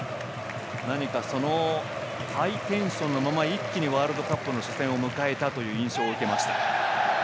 何かハイテンションのままワールドカップの初戦を迎えたという印象を受けました。